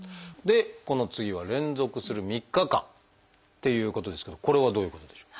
この次は「連続する３日間」っていうことですけどこれはどういうことでしょう？